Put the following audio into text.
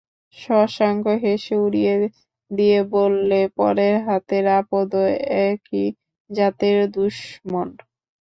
শশাঙ্ক হেসে উড়িয়ে দিয়ে বললে, পরের হাতের আপদও একই জাতের দুশমন।